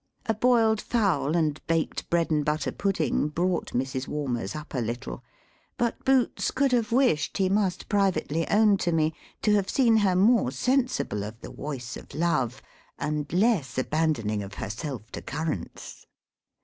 A biled fowl, and baked bread and butter pudding, brought Mrs. Walmers up a little; but Boots could have wished, he must privately own to me, to have seen her more sensible of the woice of love, and less abandoning of herself to currants.